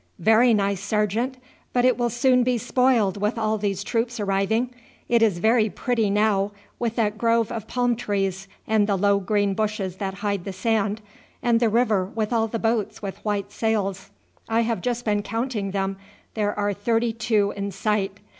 "Very nice, sergeant; but it will soon be spoiled with all these troops arriving. It is very pretty now with that grove of palm trees, and the low green bushes that hide the sand, and the river with all the boats with white sails. I have just been counting them, there are thirty two in sight.